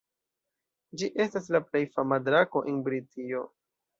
Ĝi estas la plej fama drako en Britio.